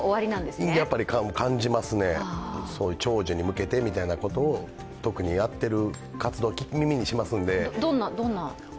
感じますね、長寿に向けてみたいなことを特にやっている活動を耳にしますので。